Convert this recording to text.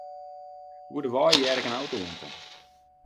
Oer de wei hear ik in auto oankommen.